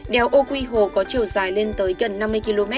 đèo ô quy hồ có chiều dài lên tới gần năm mươi km